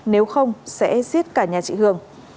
nếu không sẽ giết cả nhà chị hường